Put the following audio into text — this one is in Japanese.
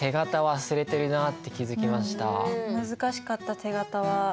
難しかった手形は。